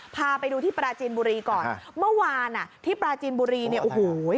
พาไปดูที่ปราจีนบุรีก่อนเมื่อวานอ่ะที่ปราจีนบุรีเนี่ยโอ้โห